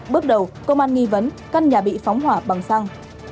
bước đầu công an nghi vấn căn nhà bị phóng hỏa bằng xăng